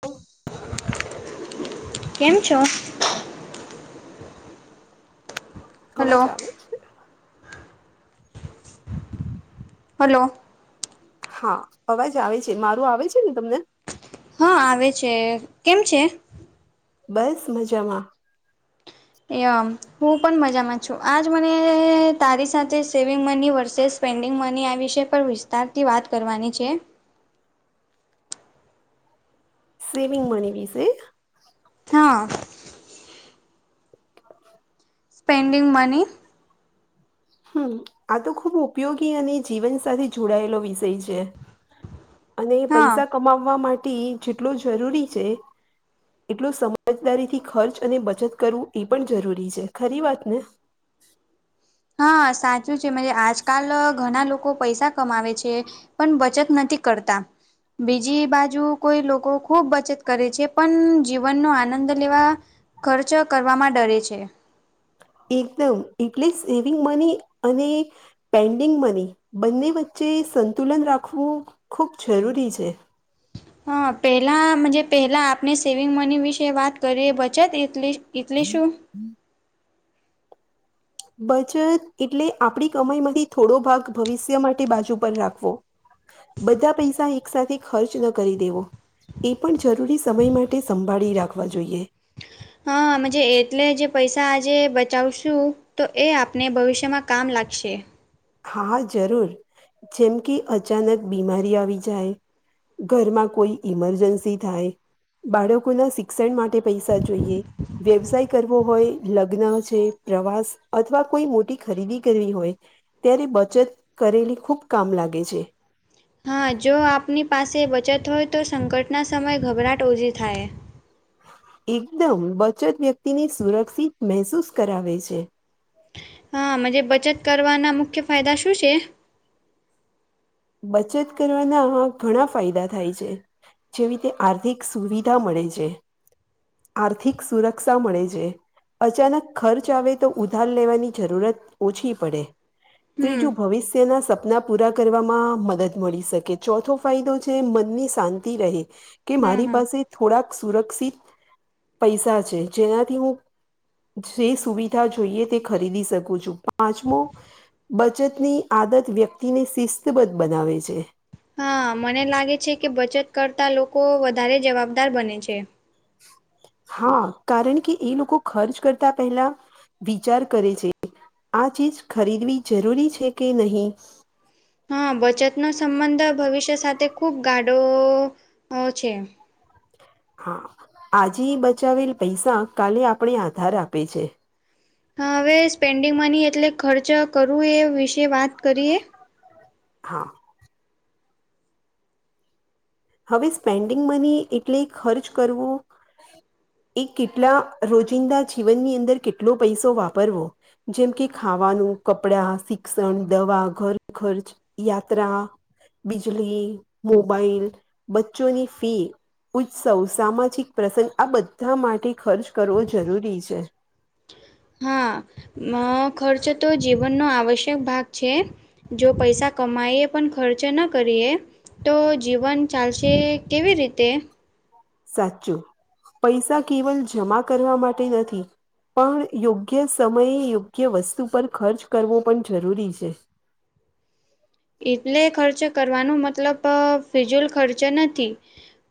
ઓ, કેમ છો? હલો અવાજ આવે છે. હલો, હા અવાજ આવે છે મારું આવે છે ને તમને? હા આવે છે કેમ છે? બસ મજામાં. [unintelligible] હું પણ મજામાં છું આજ મને તારી સાથે saving money versus spending money આ વિશે પણ વિસ્તારથી વાત કરવાની છે. સેવીગ મની વીશે, હા. [inaudible] સ્પેન્ડીગ મની, હમ આ તો ખુબ ઉપયોગી અને જીવન સાથે જોડાયેલો વિષય છે. અને હા. પૈસા કમાવવા માટે જેટલો જરૂરી છે. એટલું સમજદારી થી ખર્ચ અને બચત કરવું એ પણ જરૂરી છે ખરી વાત ને. હા સાચું છે મંજે આજકાલ ઘણા લોકો પૈસા કમાવે છે. પણ બચત નથી કરતા. બીજી બાજુ કોઈ લોકો ખૂબ બચત કરે છે પણ જીવનનો આનંદ લેવા. ખર્ચ કરવામાં ડરે છે. એકદમ એટલે સેવિંગ મની અને, પેન્ડિંગ મની બંને વચ્ચે સંતુલન રાખવું ખૂબ જરૂરી છે. હા પહેલાં મનજે પહેલાં આપણે સેવિંગ મની વિશે વાત કરીએ બચત એટલી એટલે શું? હમ, બચત એટલે આપણી કમાઈ માંથી થોડો ભાગ ભવિષ્ય માટે બાજુ પર રાખવો. બધા પૈસા એક સાથે ખર્ચ ન કરી દેવો. એ પણ જરૂરી સમય માટે સંભાળી રાખવા જોઈએ. હા મનજે એટલે જે પૈસા આજે બચાવશું. તો એ આપને ભવિષ્યમાં કામ લાગશે. હા જરૂર, જેમ કે અચાનક બીમારી આવી જાય. ઘરમાં કોઈ ઈમરજન્સી થાય. બાળકોના શિક્ષણ માટે પૈસા જોઈએ. વ્યવસાય કરવો હોય લગ્ન છે પ્રવાસ અથવા કોઈ મોટી ખરીદી કરવી હોય. ત્યારે બચત કરેલી ખૂબ કામ લાગે છે. હા જો આપની પાસે બચત હોય તો સંકટના સમયે ગભરાટ ઓછી થાય. એકદમ બચત વ્યક્તિ ને સુરક્ષિત મહેસૂસ કરાવે છે. હા મંજે બચત કરવાના મુખ્ય ફાયદા શું છે. બચત કરવાનામાં ઘણા ફાયદા થાય છે. જેવીતે આર્થિક સુવિધા મળે છે. આર્થિક સુરક્ષા મળે છે. અચાનક ખર્ચ આવે તો ઉધાર લેવાની જરૂરત ઓછી પડે હમ ત્રીજું ભવિષ્યના સપના પૂરા કરવા. મદદ મળી શકે ચોથો ફાયદો છે મનની શાંતિ રહે કે હા મારી હા પાસે થોડાક સુરક્ષિત પૈસા છે જેનાથી હું. જે સુવિધા જોઈએ તે ખરીદી શકું છું પાંચમો બચતની આદત વ્યક્તિને શિસ્તબદ્ધ બનાવે છે. હા મને લાગે છે કે બચત કરતા લોકો વધારે જવાબદાર બને છે. હા કારણ કે એ લોકો ખર્ચ કરતા પહેલા, વિચાર કરે છે. આ ચીજ ખરીદવી જરૂરી છે કે નહી. હા બચતનો સંબંધ ભવિષ્ય સાથે ખૂબ ગાડો છે. હા, આજે બચાવેલ પૈસા કાલે આપણે આધાર આપે છે. હા હવે સ્પેન્ડિંગ મની એટલે ખર્ચ કરવું એ વિશે વાત કરીએ. હા. હવે સ્પેન્ડિંગ મની એટલે ખર્ચ કરવો. એ કેટલા રોજિંદા જીવનની અંદર કેટલો પૈસો વાપરવો જેમ કે ખાવાનું કપડા શિક્ષણ દવા ઘર ખર્ચ યાત્રા બિજલી મોબાઈલ બચ્ચોની ફી ઉચ સૌ સામાજિક પ્રસંગ આ બધા માટે ખર્ચ કરવો જરૂરી છે. હા ખર્ચ તો જીવનનો આવશ્યક ભાગ છે. જો પૈસા કમાઈએ પણ ખર્ચ ન કરીએ. તો જીવન ચાલશે કેવી રીતે. સાચું, પૈસા કેવલ જમા કરવા માટે નથી. પણ યોગ્ય સમયે યોગ્ય વસ્તુ પર ખર્ચ કરવો પણ જરૂરી છે. એટલે ખર્ચ કરવાનું મતલબ ફિજુલ ખર્ચ નથી.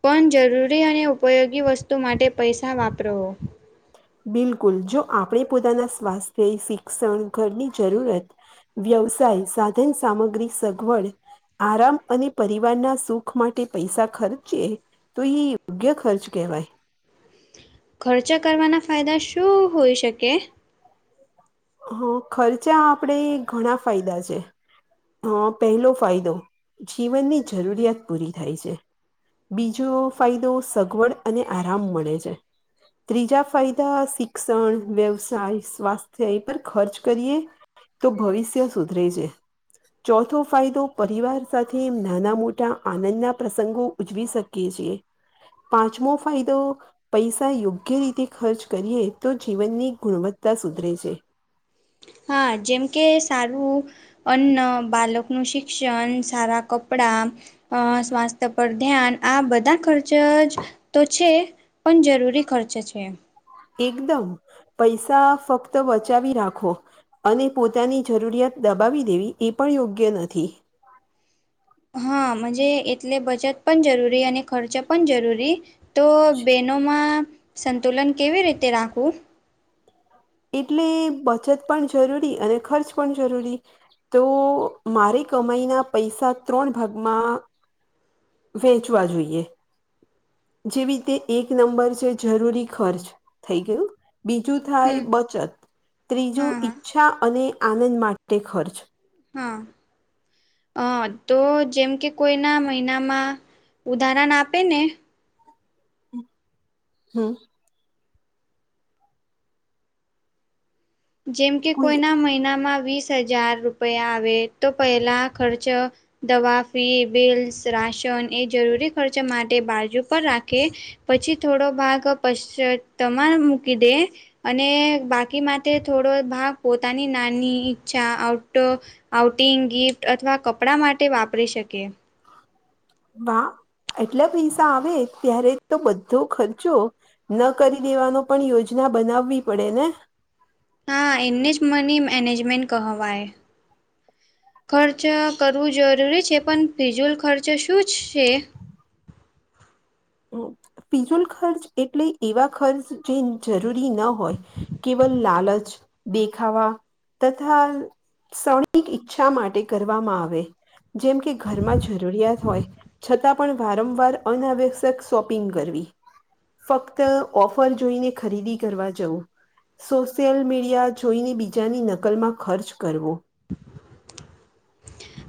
પણ જરૂરી અને ઉપયોગી વસ્તુ માટે પૈસા વાપરો. બિલકુલ જો આપણે પોતાના સ્વાસ્થ્ય શિક્ષણ ઘરની જરૂરત. વ્યવસાય સાધન સામગ્રી સગવડ. આરામ અને પરિવારના સુખ માટે પૈસા ખર્ચે. તો એ યોગ્ય ખર્ચ કહેવાય. ખર્ચ કરવાના ફાયદા શું હોઈ શકે? હ ખર્ચા આપણે ઘણા ફાયદા છે. અ પહેલો ફાયદો, જીવનની જરૂરિયાત પૂરી થાય છે. બીજો ફાયદો સગવડ અને આરામ મળે છે. ત્રીજા ફાયદા શિક્ષણ વ્યવસાય સ્વાસ્થ. એ પર ખર્ચ કરીએ, તો ભવિષ્ય સુધરે છે. ચોથો ફાયદો પરિવાર સાથે નાના મોટા આનંદના પ્રસંગો ઉજવી શકે છે, પાંચમો ફાયદો. પૈસા યોગ્ય રીતે ખર્ચ કરીએ તો જીવનની ગુણવત્તા સુધરે છે. [inaudible] હા જેમકે સારું અન્ન બાળકનું શિક્ષણ સારા કપડાં. અ સ્વાસ્થ્ય પર ધ્યાન આ બધા ખર્ચ જ, તો છે. પણ જરૂરી ખર્ચે છે એ. એકદમ, પૈસા ફક્ત બચાવી રાખો. અને પોતાની જરૂરિયાત દબાવી દેવી એ પણ યોગ્ય નથી. હાજ એટલે બચત પણ જરૂરી અને ખર્ચ પણ જરૂરી, તો બેન માં, સંતુલન કેવી રીતે રાખવું? એટલે બચત પણ જરૂરી અને ખર્ચ પણ જરૂરી. તો મારે કમાઈના પૈસા ત્રણ ભાગમાં વેચવા જોઈએ. જેવી રીતે એક નંબર છે જરૂરી ખર્ચ થઈ ગયું, બીજું થાય. હમ બચત હા ત્રીજું હા ઈચ્છા અને આનંદ માટે ખર્ચ. હા. અ તો જેમ કે કોઈના મહિનામાં, ઉદાહરણ આપે ને. હમ. જેમકે કોઈ કોઈના મહિનામાં વીસ હજાર રૂપિયા આવે તો પહેલા ખર્ચ. દવા ફી બીલસ રાશન એ જરૂરી ખર્ચ માટે બાજુ પર રાખે. પછી થોડો ભાગ પચ તમાર મૂકી દે, અને બાકીમાં તે થોડો ભાગ પોતાની નાની ઈચ્છા આઉટો. આઉટિંગ ગિફ્ટ અથવા કપડા માટે વાપરી શકે. વા એટલા પૈસા આવે ત્યારે તો બધો ખર્ચો ન કરી દેવાનો પણ યોજના બનાવવી પડે ને. હા એઇન્નેસ્ટ મની મેનેજમેન્ટ કહેવાય. ખર્ચ કરવું જરૂરી છે પણ ભીજુલ ખર્ચ શું જ છે? ફિઝુલ ખર્ચ એટલે એવા ખર્ચ જે જરૂરી ન હોય. કેવલ લાલચ, દેખાવા તથા શવની ઈચ્છા માટે કરવામાં આવે જેમ કે ઘરમાં જરૂરિયાત હોય છતાં પણ વારંવાર અનાવેશ. તક શોપિંગ કરવી ફક્ત ઓફર જોઈને ખરીદી કરવા જવું. સોશિયલ મીડિયા જોઈને બીજાની નકલમાં ખર્ચ કરવો.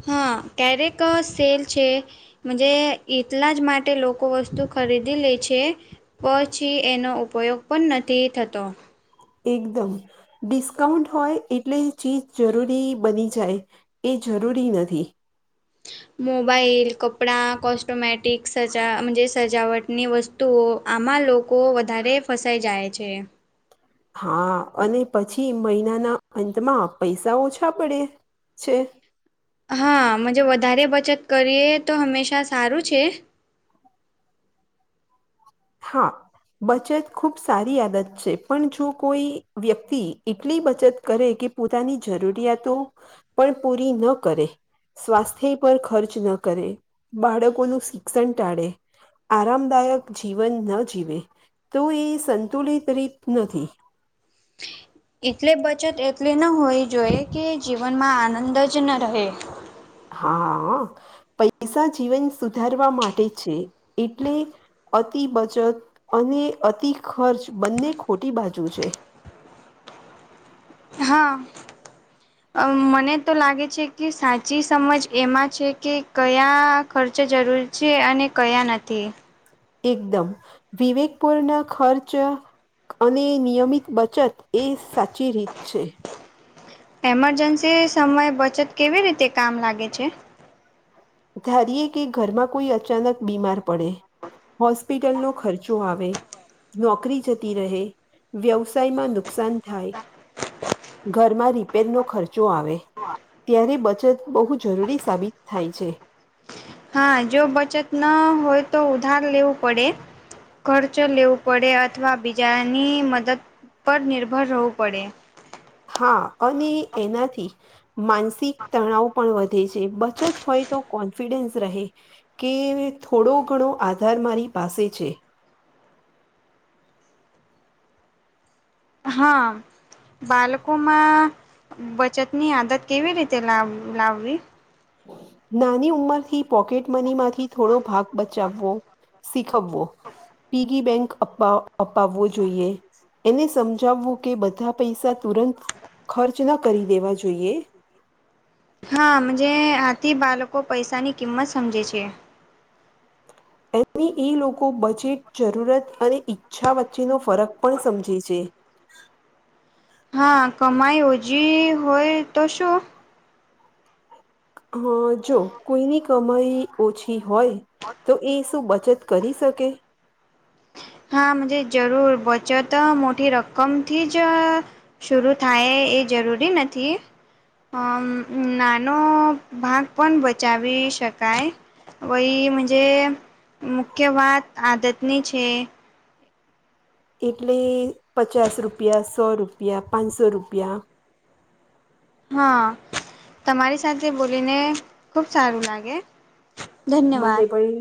હા ક્યારેક સેલ છે. જ એટલા જ માટે લોકો વસ્તુ ખરીદી લે છે. પછી એનો ઉપયોગ પણ નથી થતો. એકદમ. ડિસ્કાઉન્ટ હોય એટલે ચીજ જરૂરી બની જાય એ જરૂરી નથી. મોબાઈલ કપડાં કોસ્ટોમટિકસ સજા જે સજાવટની વસ્તુ. તો આમાં લોકો વધારે ફસાઈ જાય છે. હા અને પછી મહિનાના અંતમાં પૈસા ઓછા પડે છે. હા મજે વધારે બચત કરીએ તો હંમેશા સારું છે. હા. બચત ખૂબ સારી આદત છે પણ જો કોઈ વ્યક્તિ એટલી બચત કરે કે પોતાની જરૂરિયાતો પણ પૂરી ન કરે સ્વાસ્થ્ય પર ખર્ચ ન કરે બાળકોનું શિક્ષણ ટાળે આરામદાયક જીવન ન જીવે તો એ સંતુલિત રીત નથી. એટલે બચત એટલી ન હોવી જોઈએ કે જીવનમાં આનંદ જ ન રહે. હા પૈસા જીવન સુધારવા માટે છે એટલે અતિ બચત અને અતિ ખર્ચ બંને ખોટી બાજુ છે. હા. અ મને તો લાગે છે કે સાચી સમજ એમાં છે કે કયા ખર્ચ જરૂર. જે અને કયા નથી. એકદમ વિવેકપૂર્ણ ખર્ચ અને નિયમિત બચત એ સાચી રીત છે. એમરજન્સી સમય બચત કેવી રીતે કામ લાગે છે. ધારીએ કે ઘરમાં કોઈ અચાનક બીમાર પડે હોસ્પિટલ નો ખર્ચો આવે નોકરી જતી રહે વ્યવસાયમાં નુકસાન થાય. ઘરમાં રિપેરનો ખર્ચો આવે. ત્યારે બચત બહુ જરૂરી સાબિત થાય છે. હા જો બચત ના હોય તો ઉધાર લેવું પડે કરજ લેવું પડે અથવા બીજાની મદદ પર નિર્ભર રહેવું પડે હા અને એનાથી માનસિક તણાવ પણ વધે છે બચત હોય તો કોન્ફિડન્સ રહે કે થોડો ઘણો આધાર મારી પાસે છે હા. બાળકોમાં બચત ની આદત કેવી રીતે લાવી લાવવી નાની ઉંમર થી પોકેટ મની માંથી થોડો ભાગ બચાવવો શીખવવો પીગિ બેંક અપા અપાવવો જોઈએ એને સમજાવવું કે બધા પૈસા તુરંત ખર્ચ ના કરી દેવા જોઈએ હા મજે આથી બાળકો પૈસાની કિંમત સમજે છે. એની એ લોકો બજેટ જરૂરત અને ઈચ્છા વચ્ચેનો ફરક પણ સમજે છે હા કમાઈ ઓછી હોય તો શું અ જો કોઈની કમાઈ ઓછી હોય તો એ શું બચત કરી શકે હા મુજે જરૂર બચત મોટી રકમથી જ શરુ થાય એ જરૂરી નથી. અ નાનો ભાગ પણ બચાવી શકાય. વહી મુજે મુખ્ય વાત આદતની છે. એટલે પચાસ રૂપિયા સો રૂપિયા પાંચસો રૂપિયા. હા, તમારી સાથે બોલીને ખુબ સારું લાગે. મને ધન્યવાદ, ભાઈ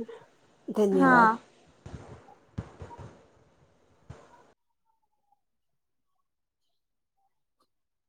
હા. ધન્યવાદ